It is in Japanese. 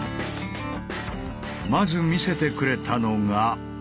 まず見せてくれたのが。